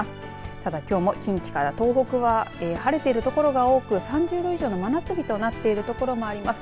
ただ、きょうも近畿から東北は晴れている所が多く３０度以上の真夏日となっている所もあります。